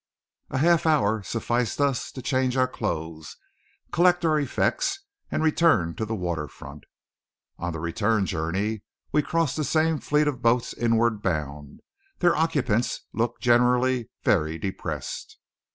A half hour sufficed us to change our clothes, collect our effects, and return to the water front. On the return journey we crossed the same fleet of boats inward bound. Their occupants looked generally very depressed.